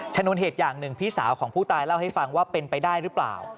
ชนวนเหตุอย่างหนึ่งพี่สาวของผู้ตายเล่าให้ฟังว่าเป็นไปได้หรือเปล่า